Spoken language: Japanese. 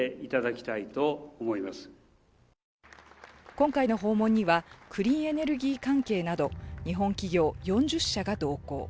今回の訪問にはクリーンエネルギー関係など日本企業４０社が同行。